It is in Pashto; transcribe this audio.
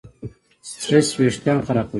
سټرېس وېښتيان خرابوي.